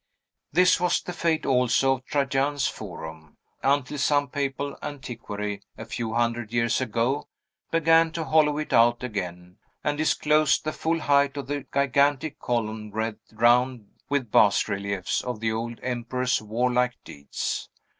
This was the fate, also, of Trajan's Forum, until some papal antiquary, a few hundred years ago, began to hollow it out again, and disclosed the full height of the gigantic column wreathed round with bas reliefs of the old emperor's warlike deeds.